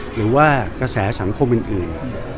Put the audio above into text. หรือว่ากระแสสังคมอื่น